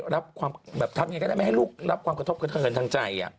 แบบทำแบบอย่างไรก็ได้ไม่ให้ลูกรับความกระทบเกินค้นเนินทางใจ